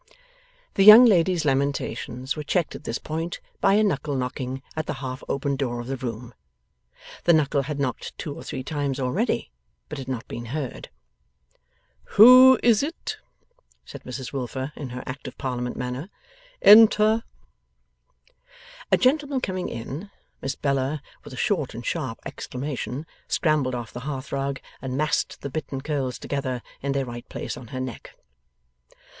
The young lady's lamentations were checked at this point by a knuckle, knocking at the half open door of the room. The knuckle had knocked two or three times already, but had not been heard. 'Who is it?' said Mrs Wilfer, in her Act of Parliament manner. 'Enter!' A gentleman coming in, Miss Bella, with a short and sharp exclamation, scrambled off the hearth rug and massed the bitten curls together in their right place on her neck.